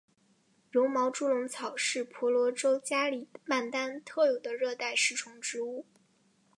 柔毛猪笼草是婆罗洲加里曼丹特有的热带食虫植物。